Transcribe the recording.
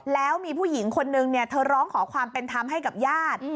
แล้วมีผู้หญิงคนนึงเธอร้องขอความเป็นธรรมให้กับญาติ